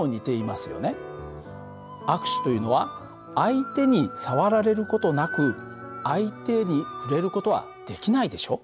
握手というのは相手に触られる事なく相手に触れる事はできないでしょ？